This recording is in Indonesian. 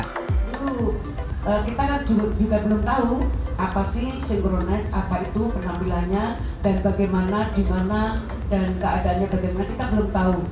itu kita kan juga belum tahu apa sih synchronize apa itu penampilannya dan bagaimana di mana dan keadaannya bagaimana kita belum tahu